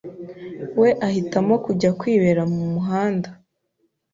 we ahitamo kujya kwibera mu muhanda